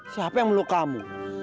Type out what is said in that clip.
siapa yang meluk kamu